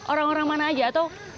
orang orang mana aja atau